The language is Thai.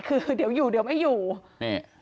คือเดี๋ยวอยู่เดี๋ยวไม่อยู่นี่